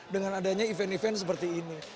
dengan adanya event event seperti ini